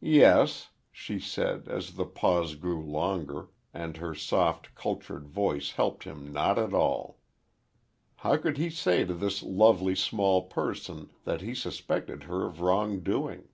"Yes," she said, as the pause grew longer, and her soft, cultured voice helped him not at all. How could he say to this lovely small person that he suspected her of wrong doing?